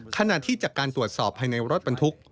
ขณะที่จากการตรวจสอบภายในรถบรรทุก